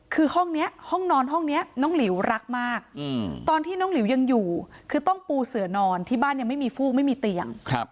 คือห้องนี้ห้องนอนห้องนี้น้องหลิวรักมากตอนที่น้องหลิวยังอยู่คือต้องปูเสือนอนที่บ้านยังไม่มีฟูกไม่มีเตียง